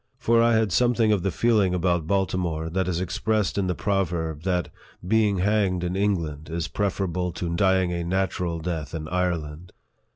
29 for I had something of the feeling about Baltimore that is expressed in the proverb, that " being hanged in England is preferable to dying a natural death in Ire land."